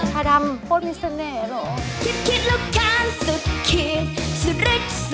ชาดำโคตรมีเสน่ห์เหรอ